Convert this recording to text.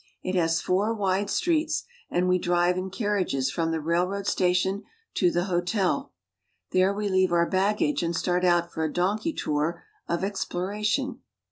It has four wide streets, and we drive in car riages from the railroad station to the hotel. There we leave our baggage and start out for a donkey tour of ex ploration.